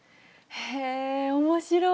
へえ面白い。